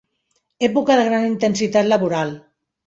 Època de gran intensitat laboral.